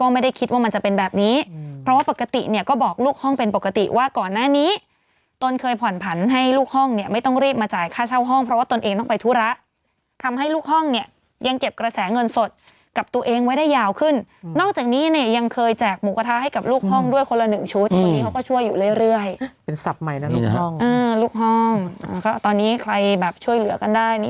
ไม่คิดว่ามันจะเป็นแบบนี้เพราะว่าปกติเนี่ยก็บอกลูกห้องเป็นปกติว่าก่อนหน้านี้ตนเคยผ่อนผันให้ลูกห้องเนี่ยไม่ต้องรีบมาจ่ายค่าเช่าห้องเพราะว่าตนเองต้องไปธุระทำให้ลูกห้องเนี่ยยังเก็บกระแสเงินสดกับตัวเองไว้ได้ยาวขึ้นนอกจากนี้เนี่ยยังเคยแจกหมูกระทะให้กับลูกห้องด้วยคนละหนึ่งชุด